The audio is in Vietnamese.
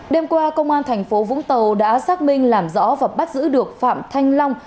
đêm qua công an thành phố vũng tàu đã xác minh làm rõ và bắt giữ được phạm thanh long